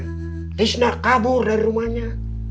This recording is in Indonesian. sutisna kabur dari rumahnya